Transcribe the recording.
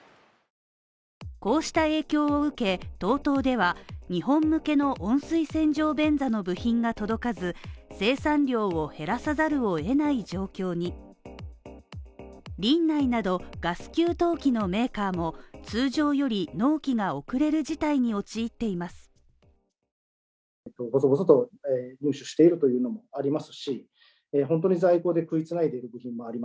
こうした影響を受けＴＯＴＯでは日本向けの温水洗浄便座の部品が届かず生産量を減らさざるを得ない状況にリンナイなどガス給湯器のメーカーも通常より納期が遅れる事態に陥っています